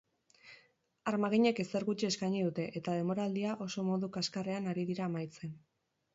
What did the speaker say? Armaginek ezer gutxi eskaini dute eta denboraldia oso modu kaskarrean ari dira amaitzen.